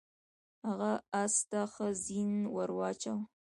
هغه اس ته ښه زین ور واچاوه.